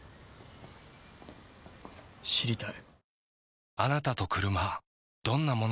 知りたい。